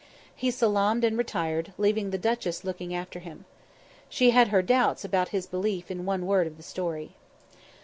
He salaamed and retired, leaving the duchess looking after him. She had her doubts about his belief in one word of the story.